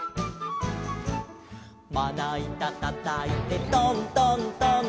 「まないたたたいてトントントン」